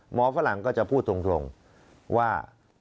ฝรั่งก็จะพูดตรงว่า